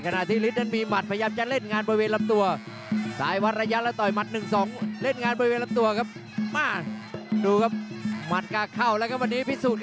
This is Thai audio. กลับไปกันบัววงน้ำเย็น